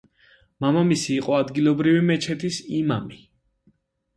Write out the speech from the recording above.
მამამისი იყო ადგილობრივი მეჩეთის იმამი.